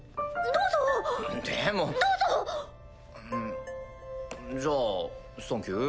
んっじゃあサンキュー。